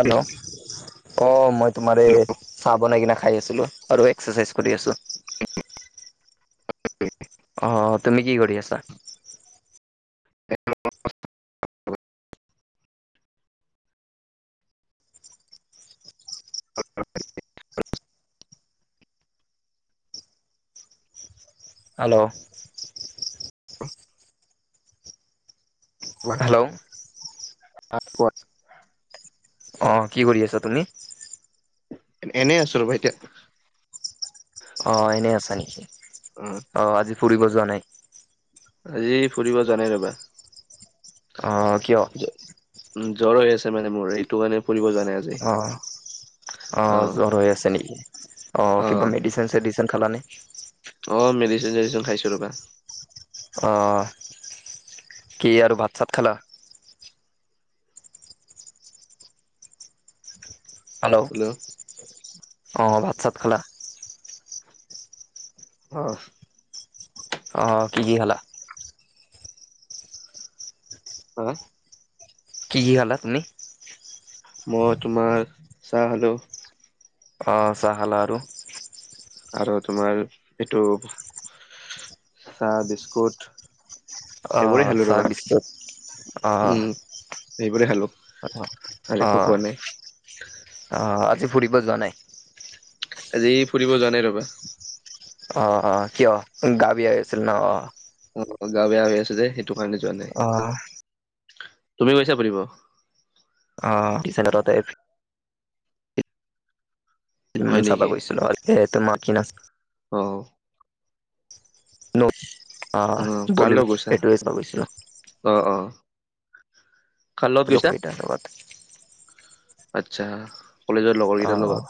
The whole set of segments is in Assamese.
হেল্ল' অ', মই তোমাৰে, চাহ বনাই কিনে খাই আছিলোঁ, আৰু এক্সাৰচাইজ কৰি আছোঁ। অঁ, তুমি কি কৰি আছা? হেল্ল' [inaudible] হেল্ল' তাৰপ [unintelligible] অঁ, কি কৰি আছা তুমি? এনেই আছো ৰ'বা, এতিয়া অ', এনেই আছা নেকি? অ', আজি ফুৰিব যোৱা নাই। আজি ফুৰিব যোৱা নাই ৰ'বা। অ', কিয়? জ- উম জ্বৰ হৈ আছে মানে মোৰ, এইটো কৰণে ফুৰিব যোৱা নাই আজি। অঁ, অঁ, অ' জ্বৰ হৈ আছে নেকি, অঁ, অ' কিবা মেডিচ [unintelligible] খালে নে? অ, মেডিচিন-চেডচিন খাইছো ৰ'বা। অ, কি আৰু ভাত-চাত খালা? হেল্ল, অ, ভাত-চাত খালা? অ, অ, কি কি খালা। [inaudible] কি কি খালা, তুমি? মই তোমাৰ, চাহ খালোঁ। অ, চাহ খালা আৰু। আৰু তোমাৰ, এইটো চাহ বিস্কুট। অ, এইবোৰে খালো চাহ ৰ'বা বিস্কুট অ, উম এইবোৰে খালোঁ। অ, অ, অ, আজি ফুৰিব যোৱা নাই। আজি ফুৰিব জানাই ৰ'বা। অ, অ, কিয় গা বিয়া আছিল ন, অ, অ, গা বেয়া হৈ আছে যে, সেইটো কাৰণে যোৱা নাই, অ তুমি গৈছা ফুৰিব? অ, [inaudible] হয় চাবা নেকি গৈছিলো, আৰু তোমাক কি নাছিল। অ, ন, অ, কাৰ বল লগত গৈছা? এইটোৱে ভাবিছিলো। অ, অ, কাৰ লগত গৈছা? লোকগীতাৰ লগত আচ্ছা, কলেজৰ লগৰ অ কেইটাৰ লগত।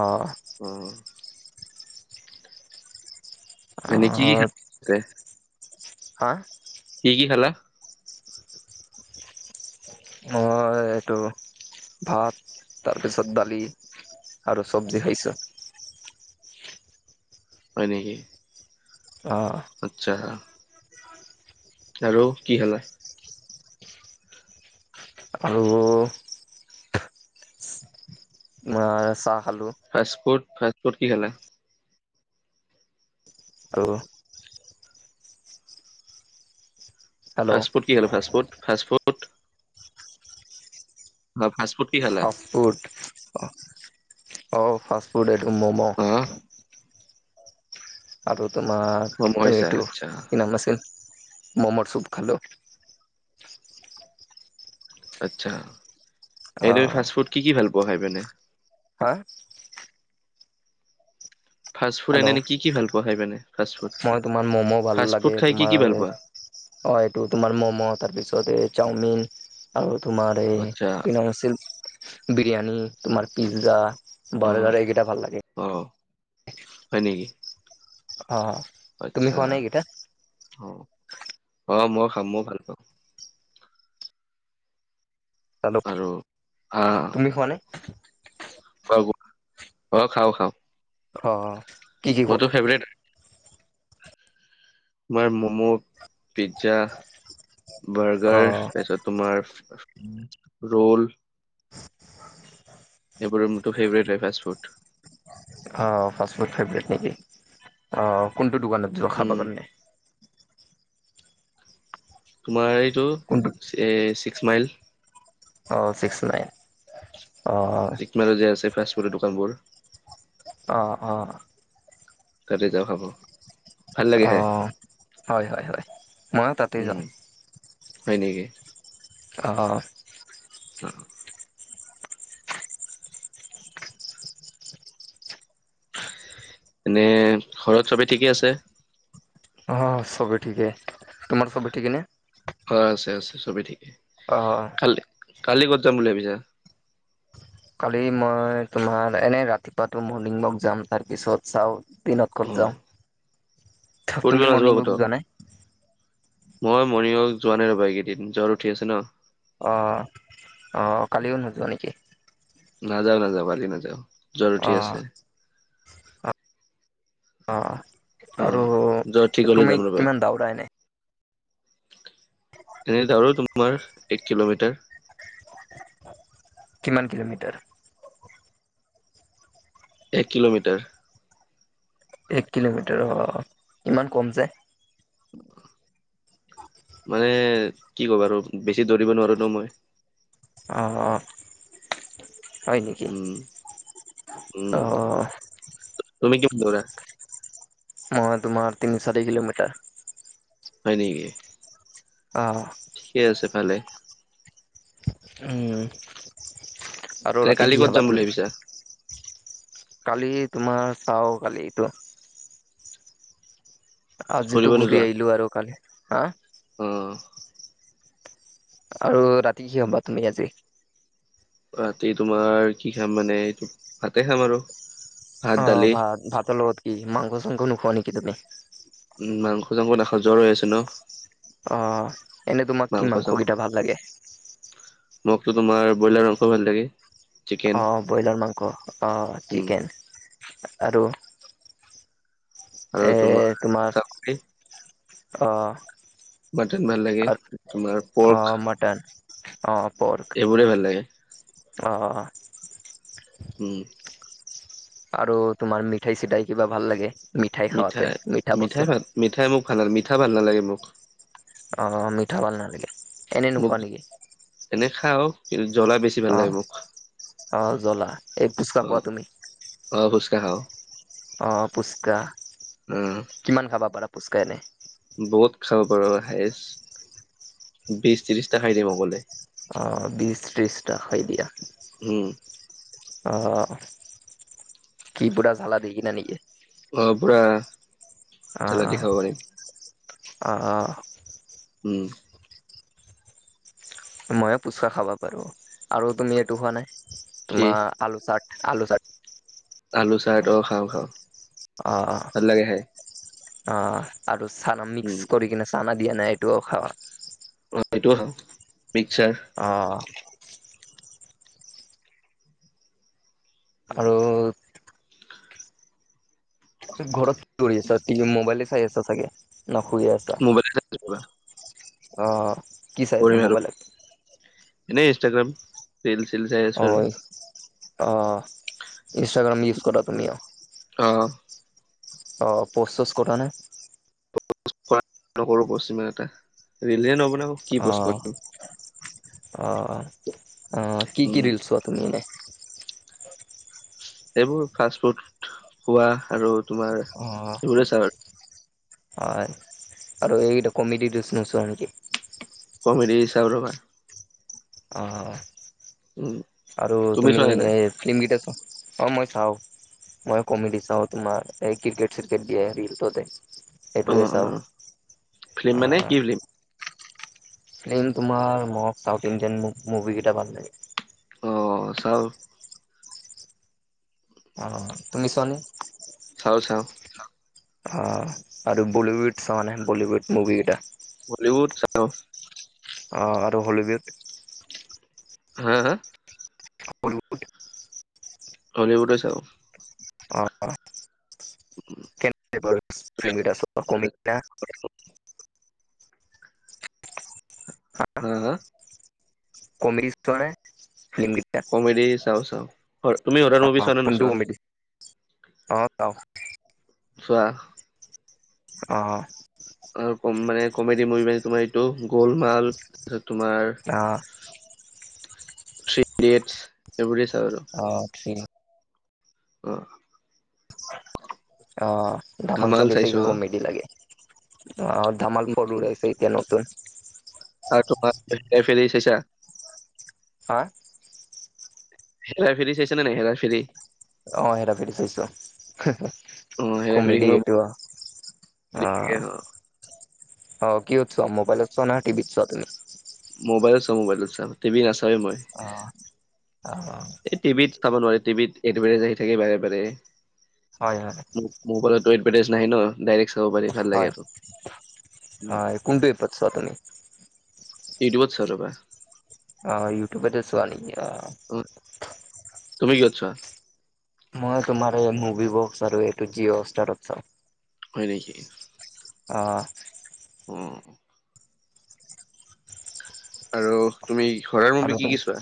অ অ, এনে কি কি অ, খালা? হা, কি কি খালা? মই এইটো ভাত, তাৰপিছত দালি। আৰু চব্জি খাইছো। হয় নেকি? অ, আচ্ছা, আৰু কি খালা? আৰু হয় তোমাৰ চাহ খালোঁ। ফাষ্টফুড কি খালা? আৰু, হেল্ল' ফাষ্টফুড কি আৰু ফাষ্ট ফুড অ, ফাষ্টফুড কি খালা? ফাষ্ট ফুড অ, ফাষ্ট ফুড এইটো ম'ম'। অহ, আৰু তোমাৰ মম খাইছা এইটো আচ্ছা কি নাম আছিল, মমৰ চুপ খালো। আচ্ছা, অ এইদা ফাষ্টফুড কি কি ভাল পোৱা খাই পে নে? হা, ফাষ্ট ফুড হেল্ল, এনে কি কি ভাল পোৱা খাই পিনে ফাষ্ট ফুড? মই তোমাৰ মম, ভাল ফাষ্ট ফুড লাগে খাই কি কি তোমাৰ। ভাল অ, পোৱা? এইটো তোমাৰ ম'ম' তাৰপিছত এই চাওমিন। আৰু তোমাৰ এই আচ্ছা কি নাম আছিল? বিৰিয়ানি, তোমাৰ পিজ্জা, অ বাৰ্গাৰ এইগেইটা ভাল লাগে। অ, হয় নেকি। অ, তুমি আচ্ছা, খোৱা নাই এইকেইটা অ, অ, মই খাম মই ভাল পাওঁ। দালোক, আৰু তুমি খোৱানে? কল-বুট? অ', খাওঁ খাওঁ। খাওঁ অ'। কি কি মইতো খোৱা ফেভৰেট হয়। তোমাৰ মম' পিজ্জা, অ বাৰ্গাৰ তাৰপিছত তোমাৰ ৰৌল। সেইবোৰ মোৰতো ফেভৰেট হয় ফাষ্ট ফুড। অ', ফাষ্ট ফুড ফেভৰেট নেকি? অ', কোনটো দোকানত যোৱা খাব উম কাৰনে? তোমাৰ এইটো কোনটো ছিক্স মাইল। অ', ছিক্স মাইল। অ'। [unintelligible] যে আছে ফাষ্ট ফুডৰ দোকানবোৰ। অ', অ'। তাতে যাওঁ খাব। ভাল লাগে খাই অ', হয় হয় হয়। ময়ো তাতেই উম যাওঁ। হয় নেকি? অ'। অ'। এনে ঘৰত চবেই ঠিকে আছে? অ', চবেই ঠিকে। তোমাৰ চবে ঠিকে নে? হয়, আছে আছে, চবেই ঠিকেই। অহ। কালি কালি ক'ত যাম বুলি ভাবিছা? কালি মই তোমাৰ এনেই ৰাতিপুৱাতো মৰ্ণিং ৱক যাম। তাৰপিছত চাওঁ। দিনত ক'ত যাওঁ। ফৰিব তুমি নোযোৱা মৰ্ণিং ৱক ক'তো? যোৱা নাই? মই মৰ্ণিং ৱাক যোৱা নাই ৰ'বা এইকেইদিন। জ্বৰ উঠি আছে ন। অ', অ', কালিও নোযোৱা নেকি? নাযাওঁ নাযাওঁ, কালি নাযাওঁ। জ্বৰ উঠি আছে অ', [inaudible] অ'। অ আৰু জয়ঠিকলৈ তুমি যাম ৰ'বা কিমান দাউৰা এনে? এনে দাউৰো তোমাৰ এক কিলোমিটাৰ। কিমান কিলোমিটাৰ? এক কিলোমিটাৰ। এক কিলোমিটাৰ অ', ইমান কম যে? মানে কি ক'বা আৰু। বেছি দৌৰিব নোৱাৰো ন মই। অ', অ'। হয় নেকি? উম উম অ'। তুমি কিমান দৌৰা? মই তোমাৰ তিনি-চাৰি কিলোমিটাৰ। হয় নেকি? অহ। ঠিকে আছে, ভালে। উম। আৰু এনে ৰাতি কালি কি ক'ত যাম খাবা বুলি তুমি? ভাবিছা কালি তোমাৰ চাওঁ কালিটো। ফুৰিব আজিতো ঘূৰি আহিলো আৰু। কালি হা উম। আৰু ৰাতি কি খাবা তুমি আজি? ৰাতি তোমাৰ কি খাম মানে এইটো ভাতে খাম আৰু। ভাত অ', দালি ভাত। ভাতৰ লগত কি মাংস-চাংস নোখোৱা নেকি তুমি? উম, মাংস-চাংস নাখাওঁ জ্বৰ হৈ আছে ন। অহ, এনেই তোমাকটো মাংস মাংসকেইটা ভাল লাগে। মোকটো তোমাৰ ব্ৰইলাৰ মংস ভাল লাগে। চিকেন অঁ, ব্ৰইলাৰ মাংস অঁ, উম চিকেন আৰু। আৰু এই তোমাৰ, চাপৰি অঁ মাটন ভাল লাগে, তোমাৰ পৰ্ক। মটন, অঁ' প'ৰ্ক, এইবোৰে ভাল লাগে অঁ'। উম। আৰু তোমাৰ মিঠাই চিঠাই, কিবা ভাল লাগে, মিঠাই খাওঁতে, মিঠা মিঠাই বস্তু। ভাল মিঠাই মোক ভাল, মিঠা ভাল নালাগে মোক। অ ', মিঠা ভাল নালাগে। এনে মোক, নোখোৱা নেকি এনে খাওঁ আৰু। কিন্তু, জলা বেছি ভাল অ লাগে মোক, অ জ্বলা এই ফুচকা খোৱা অ'। অ', পুচকা। অঁ, পুচকা। উম। কিমান খাবা পাৰা, পুচকা এনে? বহুত খাব পাৰোঁ, বিশ ত্ৰিশটা খাই দিম অকলে। অ', বিশ ত্ৰিশটা হয়, দিয়া। উম। অ', কি পুৰা জালা দি কিনে নেকি? অ', পুৰা। জ্বালা দি আহ, খাব পাৰিম। অ, অ'। উম। ময়ো পুচকা খাবা পাৰোঁ, আৰু তুমি এইটো খোৱা নে, কি তোমাৰ আলু চাত, আলু চত আলু চাত অ', খাওঁ, খাওঁ। অ, অ'। ভাল লাগে খাই অ', আৰু চানা উম। মিক্স কৰি কিনে, চানা দিয়া নাই এইটোও খাওঁ। অ', সেইটো খাওঁ, মিক্সাৰ। অ'। উম, আৰু ঘৰত কি কৰি আছা, টিভি মোবাইলে চাই আছা চাগে না শুই আছা? মোবাইল অ', কি চাই আছা কৰিম আৰু মোবাইলত? এনেই ইনষ্টাগ্ৰাম। ৰিল ছিল চাই আছো আৰু অ', অঁ, ইনষ্টাগ্ৰাম ইউজ কৰা তুমি, অ'। অ'। অ', প'চ চ'চ কৰানে? নকৰো পশিমান এটা ৰেলে নব ন কি বস [unintelligible] অ', অ, অ ', কি উম, কি ৰিলচ ছোৱা তুমি এনে? এইবোৰ ফাষ্ট ফুড খোৱা, আৰু তোমাৰ অ'। এইবোৰে চাওঁ আৰু। হয়, আৰু এইটাে কমেডি নোছোৱা নেকি? কমেডি হিচাপ ৰ'বা। অ', উম, আৰু তুমি চোৱানে নাই? এই মকেইটা [unintelligible] অ', মই চাওঁ। মই কমেডি চাওঁ তোমাৰ, এই ক্ৰিকেট চিকেট দিয়ে ৰিলচতে। সেইটোৱে অ', চাওঁ, অ', ফিল্ম মানে আহ কি ফিল্ম? ফ্লিম তোমাৰ মই, চাউথ ইণ্ডিয়ান মুভি কেইটা ভাল লাগে। অ' চাওঁ অ' শুনিচনে? চাও, চাওঁ। অ' আৰু বলীউড চাওঁ মানে বলীউড মুভি কেইটা। বলিউড চালো। আৰু হলীউড? হা, হা। হলিউড হলীউডে চাৱ? অ'। উম। ফিাৰ কমি [unintelligible] হা', হা'। কমেডি নে ফিলম কমেডি চাওঁ, [unintelligible] চাওঁ। হৰ তুমি হৰৰ মুভি আহ চোৱা নে কটো নোচোৱা? হমি [unintelligible] অও [unintelligible] চোৱা অ'। আৰু ক মানে কমেডি মুভি মানে তোমাৰ এইটো গোলমাল, তাৰপিছত তোমাৰ অঁ'। থ্ৰী ইডিএটছ এইবোৰেই আৰু। অ' থ্ৰিডি। অ'। অ' ধামালটো ধামাল চাইছো বেছিকৈ অ'। কমেডি লাগে। অ' ধামাল উম, ফ'ৰ ওলাইছে এতিয়া নতুন? আৰু তোমাৰাই ফেৰিি চছা [unintelligible] হা'। হেৰা ফেৰি চাইছে নে নাই, হেৰা ফেৰি! অ' হেৰা ফেৰি চইছো, অ', হেৰা কমেডি ফেৰিখনো এইটো। থাকে অ', অ অ' কিহত চোৱা মোবাইলত চোৱা নে টিভিট চোৱা তুমি? মোবাইলত চাঁও মোবাইলত চাঁও, টিভি নাচাওঁ মই। অ', অ', অ'। এই টিভিত চাব নোৱাৰি টিভিত এ'ডচবোৰ আহি থাকে বাৰে বাৰে। হয়, হয়। মোবইলট তো এডভেটাইছ নাহে ন? ডাইৰেক্ট চাব পাৰি ভাল লাগে হয় আৰু। উম হয় কোনটো এপত চোৱা তুমি ইউটিউবত চাও ৰ'বা। অ' ইউটউবটে চোৱা নিকি? অ'। অ' তুমি কিহ'ত চোৱা? মই তোমাৰ এই মুভি বক্স আৰু এইটো জিঅ' হটষ্টাৰত চাওঁ। হয় নেকি? অ'। উম। আৰু তুমি হৰৰ আৰু মুূ্ভি কি কি চোৱা?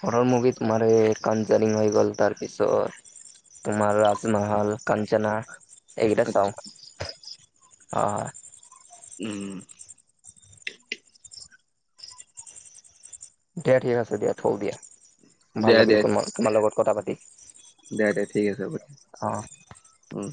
হৰৰ মুভি তো এই কানজাৰিং হৈ গ'ল, তাৰপিছত তোমাৰ ৰাজমহল কাঞ্চনা এইকেইটা আচ্ছা চাওঁ। অ' হয়। উম। দিয়া ঠিকে আছে দিয়া থও দিয়া। ভাল দিয়া লাগিল দিয়া ক তোমাৰ লগত কথা পাতি। দিয়া দিয়া ঠিক আছে হ'ব দিয়া অ' উম।